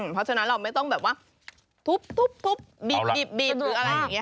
เพราะฉะนั้นเราไม่ต้องแบบว่าทุบบีบหรืออะไรอย่างนี้